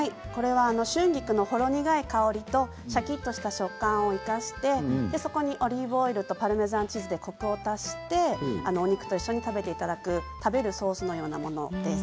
春菊のほろ苦い香りとシャキッとした食感を生かしてそこにオリーブオイルとパルメザンチーズでコクを足してお肉と一緒に食べていただく食べるソースのようなものです。